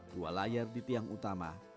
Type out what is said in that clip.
dua layar di tiang utama